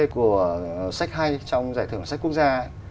của sách hay trong giải thưởng sách quốc gia